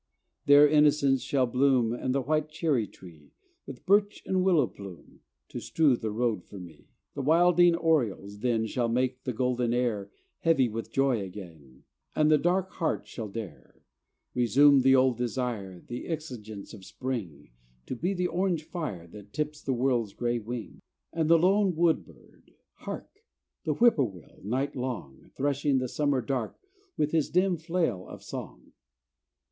There innocents shall bloom, And the white cherry tree, With birch and willow plume To strew the road for me. The wilding orioles then Shall make the golden air Heavy with joy again, And the dark heart shall dare Resume the old desire, The exigence of spring To be the orange fire That tips the world's gray wing. And the lone wood bird Hark! The whippoorwill, night long, Threshing the summer dark With his dim flail of song!